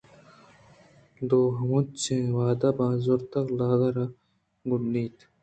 دو ہمنچو واد بہا زُرت ءُ لاگ ءَ را لڈّ اِت